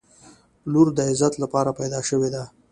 • لور د عزت لپاره پیدا شوې ده.